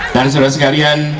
dan sudah sekalian